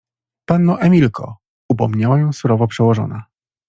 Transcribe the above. — Panno Emilko! — upomniała ją surowo przełożona.